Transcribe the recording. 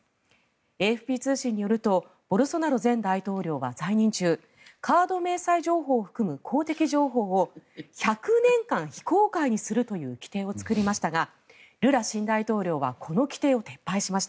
ＡＦＰ通信によるとボルソナロ前大統領は在任中カード明細情報を含む公的情報を１００年間非公開にするという規定を作りましたがルラ新大統領はこの規定を撤廃しました。